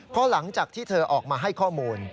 เพราะหลังจากที่เธอออกมาให้ข้อมูล